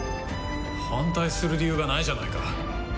反対する理由がないじゃないか！